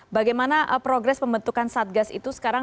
bagaimana progres pembentukan satgas itu sekarang